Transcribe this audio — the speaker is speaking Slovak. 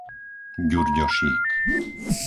Ďurďošík